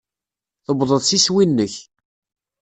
Tuwḍeḍ s iswi-nnek.